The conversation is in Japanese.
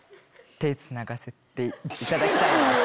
手つながせていただきたいな。